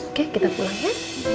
oke kita pulang ya